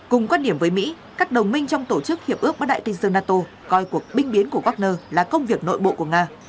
cùng quan điểm với mỹ các đồng minh trong tổ chức hiệp ước bắc đại tây dương nato coi cuộc binh biến của wagner là công việc nội bộ của nga